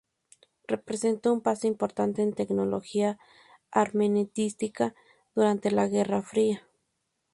Representó un paso importante en tecnología armamentística durante la "Guerra Fría".